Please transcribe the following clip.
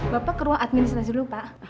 bapak kerua administrasi dulu pak